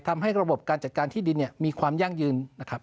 ทำให้ระบบการจัดการที่ดินมีความย่างยืน